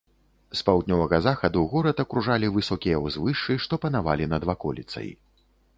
З паўднёвага захаду горад акружалі высокія ўзвышшы, што панавалі над ваколіцай.